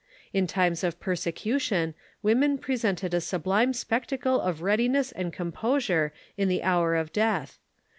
In times of persecution women presented a sub lime spectacle of readiness and composure in the hour of death.